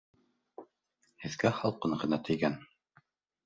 Һеҙгә һалҡын ғына тейгән